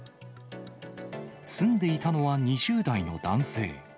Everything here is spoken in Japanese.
住んでいたのは２０代の男性。